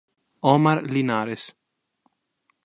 Omar Linares